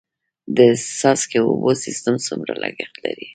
د څاڅکي اوبو سیستم څومره لګښت لري؟